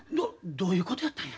どういうことやったんや？